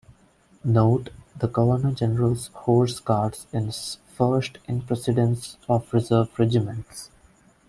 "Note:" The Governor General's Horse Guards is first in precedence of Reserve regiments.